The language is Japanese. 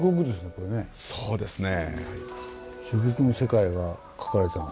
これはそうですね。